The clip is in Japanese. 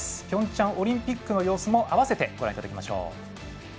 ピョンチャンオリンピックの様子もあわせてご覧いただきましょう。